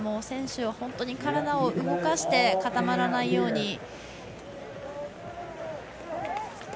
選手は本当に体を動かして固まらないように。